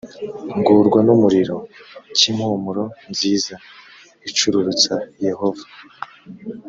ngorwa n umuriro cy impumuro nziza icururutsa yehova